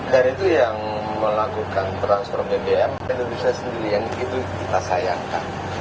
dari itu yang melakukan transfer bbm ke indonesia sendiri yang itu kita sayangkan